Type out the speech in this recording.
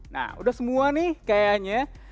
nah udah semua nih kayaknya